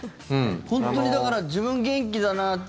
本当にだから自分元気だなって。